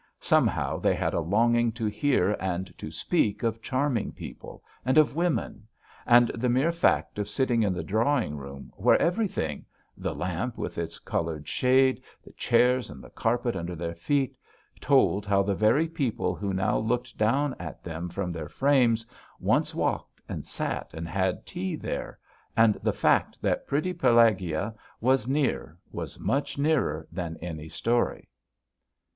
Somehow they had a longing to hear and to speak of charming people, and of women. And the mere fact of sitting in the drawing room where everything the lamp with its coloured shade, the chairs, and the carpet under their feet told how the very people who now looked down at them from their frames once walked, and sat and had tea there, and the fact that pretty Pelagueya was near was much better than any story.